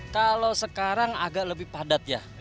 kalau sekarang agak lebih padat ya